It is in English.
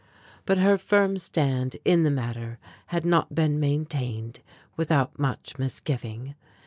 But her firm stand in the matter had not been maintained without much misgiving.